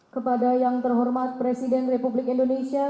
kepada yang terhormat presiden republik indonesia